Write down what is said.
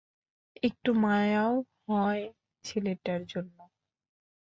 একটু মায়াও হয় ছেলেটার জন্য।